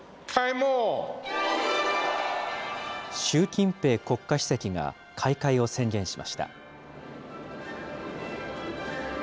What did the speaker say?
習近平国家主席が、開会を宣言しました。